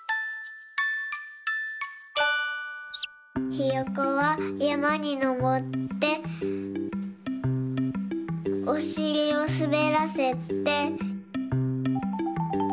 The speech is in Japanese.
ひよこはやまにのぼっておしりをすべらせて。